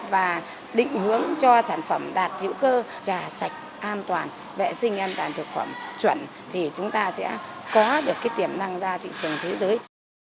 và định hướng cho sản phẩm đạt hữu cơ trà sạch an toàn vệ sinh an toàn thực phẩm chuẩn thì chúng ta sẽ có được tiềm năng ra thị trường thế giới